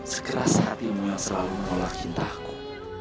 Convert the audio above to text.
sekeras hatimu yang selalu menolak cintaku